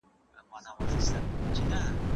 بابا هوتک هم په پخواني سبک شعرونه ویل.